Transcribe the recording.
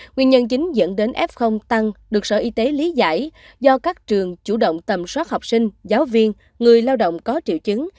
nguyên nhân chính dẫn đến f tăng được sở y tế lý giải do các trường chủ động tầm soát học sinh giáo viên người lao động có triệu chứng